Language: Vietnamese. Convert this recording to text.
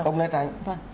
không né tránh